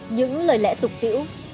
những lời lẽ tục tiểu